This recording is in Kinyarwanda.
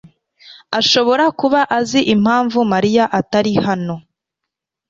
ashobora kuba azi impamvu Mariya atari hano.